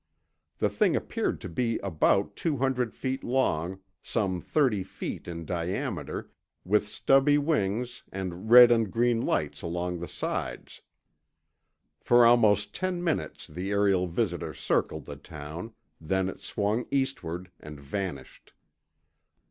The thing appeared to be about two hundred feet long, some thirty feet in diameter, with stubby wings and red and green lights along the sides. For almost ten minutes the aerial visitor circled the town, then it swung eastward and vanished.